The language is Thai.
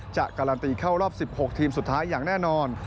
การันตีเข้ารอบ๑๖ทีมสุดท้ายอย่างแน่นอน